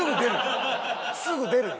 すぐ出るよ！